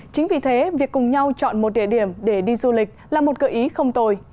chính vì thế việc cùng nhau chọn một địa điểm để đi du lịch là một gợi ý không tồi